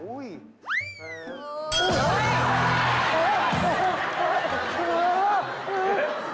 โอ้โฮ